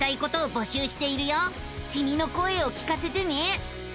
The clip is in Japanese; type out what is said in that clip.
きみの声を聞かせてね。